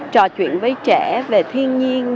trò chuyện với trẻ về thiên nhiên